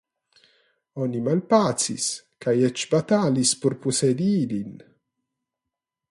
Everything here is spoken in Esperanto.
Oni malpacis, kaj eĉ batalis por posedi ilin.